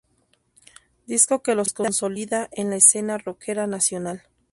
Disco que los consolida en la escena rockera nacional.